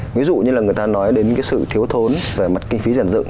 ví dụ như là người ta nói đến cái sự thiếu thốn về mặt kinh phí giản dự